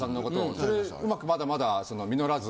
それうまくまだまだ実らず。